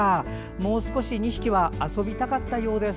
もう少し２匹は遊びたかったようです。